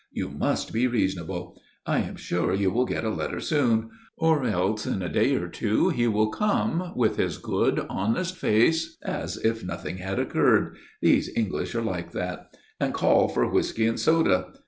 You must be reasonable. I am sure you will get a letter soon or else in a day or two he will come, with his good, honest face as if nothing had occurred these English are like that and call for whisky and soda.